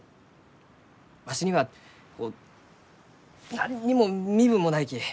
わしにはこう何にも身分もないき。